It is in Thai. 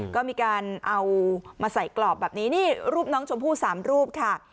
ก็มีการเอามาใส่กรอบแบบนี้นี่รูปน้องชมพู่๓รูปค่ะ